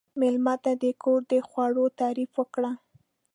مېلمه ته د کور د خوړو تعریف وکړئ.